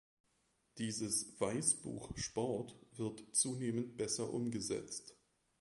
Dieses "Weißbuch Sport" wird zunehmend besser umgesetzt.